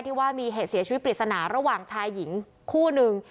ว่ามีเหตุเสียชีวิตปริศนาระหว่างชายหญิงคู่นึง